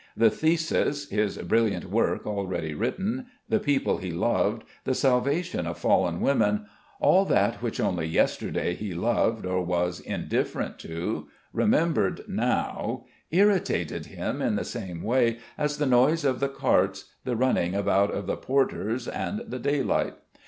The thesis, his brilliant work already written, the people he loved, the salvation of fallen women, all that which only yesterday he loved or was indifferent to, remembered now, irritated him in the same way as the noise of the carts, the running about of the porters and the daylight....